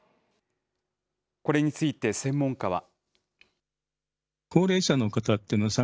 これについて、専門家は。